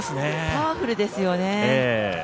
パワフルですよね。